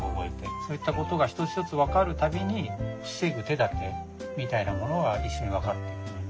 そういったことが一つ一つ分かる度に防ぐ手だてみたいなものが一緒に分かってくるんで。